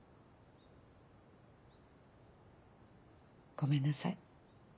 ごめんなさい。